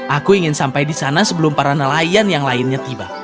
aku ingin sampai di sana sebelum para nelayan yang lainnya tiba